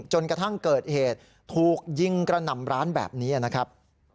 จนกระทั่งเกิดเหตุถูกยิงกระหน่ำร้านแบบนี้นะครับ